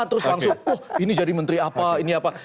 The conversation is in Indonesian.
terus langsung oh ini jadi menteri apa ini apa